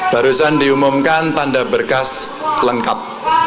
barusan diumumkan tanda berkas lengkap